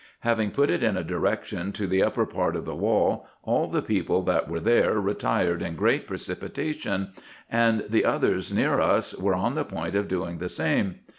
Having put it in a direction to the upper part of the wall, all the people that were there retired in great precipitation, and the others near us were on the point of doing the same.